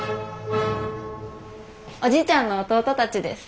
おじいちゃんの弟たちです。